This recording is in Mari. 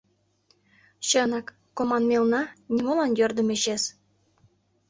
Чынак, команмелна — нимолан йӧрдымӧ чес.